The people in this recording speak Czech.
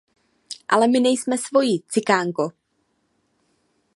Ale my nejsme svoji, cikánko!